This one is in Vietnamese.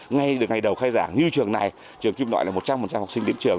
ngay từ ngày đầu khai giảng như trường này trường kim loại là một trăm linh học sinh đến trường